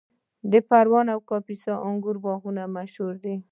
د پروان او کاپیسا د انګورو باغونه مشهور دي.